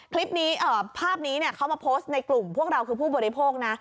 คลิปนี้เออภาพนี้เนี่ยเขามาโพสต์ในกลุ่มพวกเราคือผู้บริโภคนะ